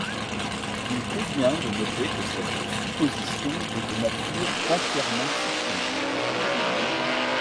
Il convient de noter que cette supposition est de nature entièrement fictive.